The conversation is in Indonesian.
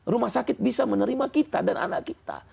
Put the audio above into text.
rumah sakit bisa menerima kita dan anak kita